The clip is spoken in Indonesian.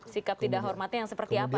sikap tidak hormatnya yang seperti apa